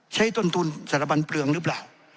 ต้นทุนสถาบันเปลืองหรือเปล่า